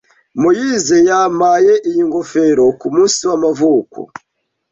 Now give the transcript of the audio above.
Moise yampaye iyi ngofero kumunsi w'amavuko.